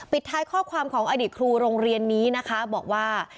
ท้ายข้อความของอดีตครูโรงเรียนนี้นะคะบอกว่า